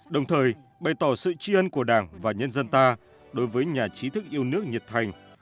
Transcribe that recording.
đồng thời bày tỏ sự tri ân của đảng và nhân dân ta đối với nhà trí thức yêu nước nhiệt thành